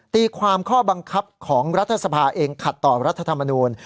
ตีความข้อบังคับของรัฐสภาเองขัดต่อรัฐธรรมนูล